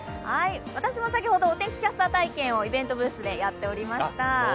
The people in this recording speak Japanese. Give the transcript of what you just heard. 私も先ほどお天気キャスター体験をイベントブースでやっていました。